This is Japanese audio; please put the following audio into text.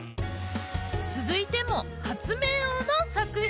続いても発明王の作品。